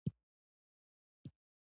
دا استازي په دوه ډوله ده